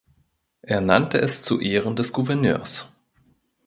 Er nannte es zu Ehren des Gouverneurs.